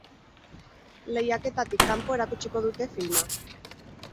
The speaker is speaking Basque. Lehiaketatik kanpo erakutsiko dute filma.